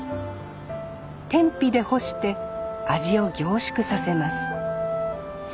天日で干して味を凝縮させます